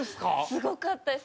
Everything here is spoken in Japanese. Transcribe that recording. すごかったです。